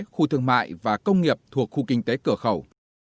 khu thương mại và công nghiệp thuộc khu kinh tế cửa khẩu